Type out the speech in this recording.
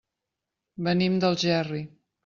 Venim d'Algerri.